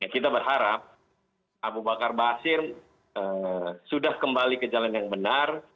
kita berharap abu bakar basir sudah kembali ke jalan yang benar